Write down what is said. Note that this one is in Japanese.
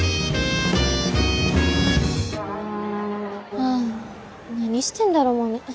ああ何してんだろモネ。